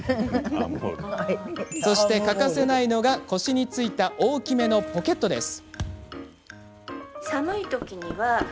そして、欠かせないのが腰に付いた大きめのポケットです。